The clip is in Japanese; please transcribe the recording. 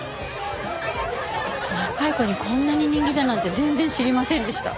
若い子にこんなに人気だなんて全然知りませんでした。